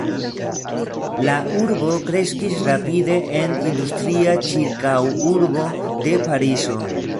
La urbo kreskis rapide en industria ĉirkaŭurbo de Parizo.